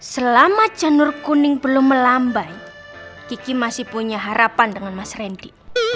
selama janur kuning belum melambai kiki masih punya harapan dengan mas randy